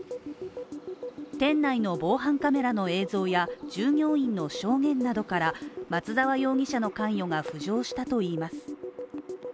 店内の防犯カメラの映像や従業員の証言などから松沢容疑者の関与が浮上したといいます。